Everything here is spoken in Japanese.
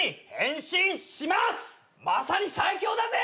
まさに最強だぜ！